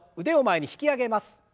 腕を前に引き上げます。